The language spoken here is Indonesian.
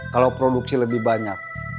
kalau produksi lebih banyak